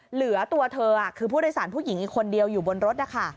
เหลือตัวเธอคือผู้โดยสารผู้หญิงอีกคนเดียวอยู่บนรถนะคะ